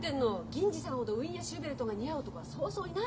銀次さんほどウィーンやシューベルトが似合う男はそうそういないわ。